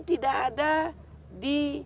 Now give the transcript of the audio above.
tidak ada di